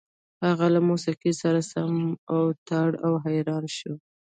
هغه له موسيقۍ سره سم اوتر او حيران شو.